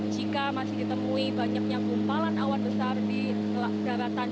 jika masih ditemui banyaknya gumpalan awan besar di daratan